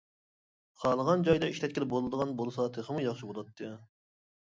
خالىغان جايدا ئىشلەتكىلى بولىدىغان بولسا تېخىمۇ ياخشى بولاتتى.